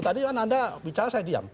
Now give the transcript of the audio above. tadi kan anda bicara saya diam